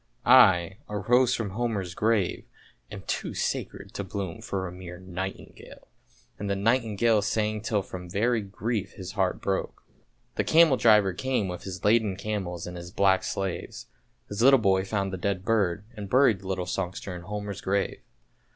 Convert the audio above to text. — I, a rose from Homer's grave, am too sacred to bloom for a mere nightingale! " And the nightingale sang till from very grief his heart broke, 216 A ROSE FROM HOMER'S GRAVE 217 The camel driver came with his laden camels and his black slaves; his little boy found the dead bird, and buried the little songster in Homer's grave.